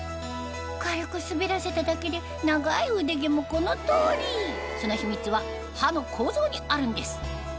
軽く滑らせただけで長いうで毛もこの通りその秘密は刃の構造にあるんです